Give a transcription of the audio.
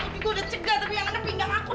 aku bingung udah cekak tapi yang ada pindah aku